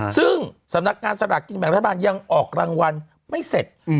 ซึ่งสำนักงานสลากกินแบ่งรัฐบาลยังออกรางวัลไม่เสร็จ